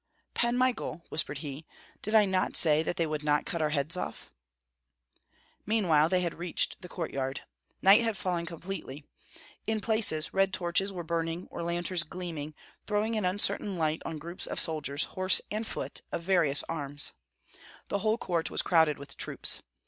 "Pan Michael," whispered he, "did I not say that they would not cut our heads off?" Meanwhile they had reached the courtyard. Night had fallen completely. In places red torches were burning or lanterns gleaming, throwing an uncertain light on groups of soldiers, horse and foot, of various arms. The whole court was crowded with troops.